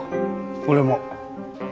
俺も。